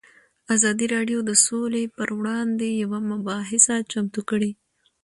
ازادي راډیو د سوله پر وړاندې یوه مباحثه چمتو کړې.